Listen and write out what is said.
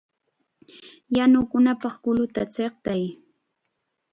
¡Yanukunapaq kulluta chiqtay!